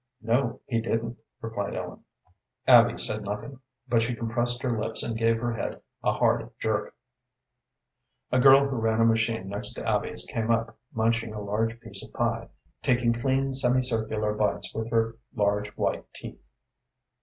"No, he didn't," replied Ellen. Abby said nothing, but she compressed her lips and gave her head a hard jerk. A girl who ran a machine next to Abby's came up, munching a large piece of pie, taking clean semicircular bites with her large, white teeth.